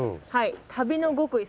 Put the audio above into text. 旅の極意